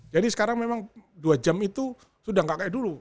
jadi sekarang memang dua jam itu sudah gak kayak dulu